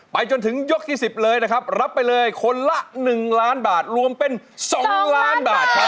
จนถึงยกที่๑๐เลยนะครับรับไปเลยคนละ๑ล้านบาทรวมเป็น๒ล้านบาทครับ